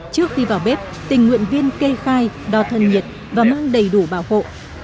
trước khi vào bếp tình nguyện viên kê khai đo thân nhiệt và mang đầy đủ bảo hộ